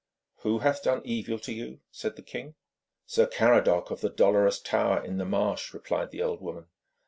'Who hath done evil to you?' said the king. 'Sir Caradoc of the Dolorous Tower in the Marsh,' replied the old woman.